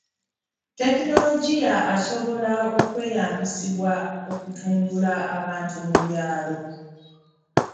Tekinologiya asobola okweyambisibwa okutumbula abantu mu byalo.